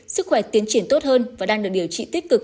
sức khỏe tiến triển tốt hơn và đang được điều trị tích cực